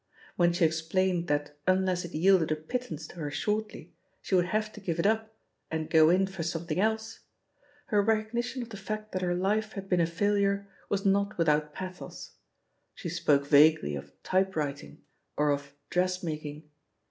When she ex plained that unless it yielded a pittance to her shortly, she would have to give it up and "go in for something else," her recognition of the fact that her life had been a failure was not without pathos. She spoke vaguely of "typewriting/' or of "dressmaking."